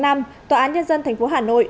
tòa án nhân dân tp hà nội